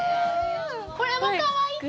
これもかわいい